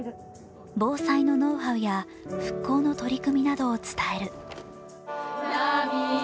防災のノウハウや復興の取り組みなどを伝える。